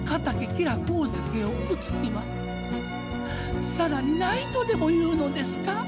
吉良上野を討つ気は更にないとでも言うのですか」。